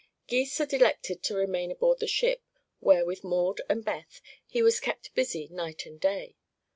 Gys had elected to remain aboard the ship, where with Maud and Beth he was kept busy night and day.